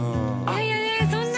いやいやいやそんな。